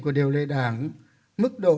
của điều lệ đảng mức độ